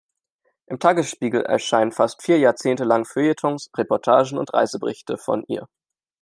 Im Tagesspiegel erscheinen fast vier Jahrzehnte lang Feuilletons, Reportagen und Reiseberichte von ihr.